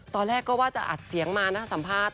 ตอนแรกก็ว่าจะอัดเสียงมานะสัมภาษณ์